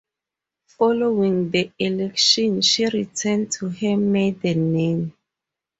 Following the election she returned to her maiden name.